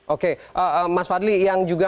oke mas fadli yang juga